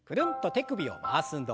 手首を回す運動。